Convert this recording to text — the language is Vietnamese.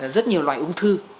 rất nhiều loại ung thư